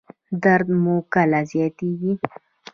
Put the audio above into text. درد مو کله زیاتیږي؟